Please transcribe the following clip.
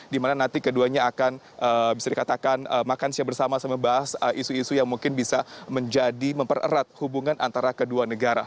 dimana nanti keduanya akan bisa dikatakan makan siang bersama sama bahas isu isu yang mungkin bisa menjadi mempererat hubungan antara kedua negara